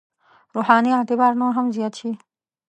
روحاني اعتبار نور هم زیات شي.